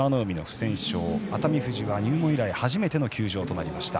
熱海富士は入門以来初めての休場となりました。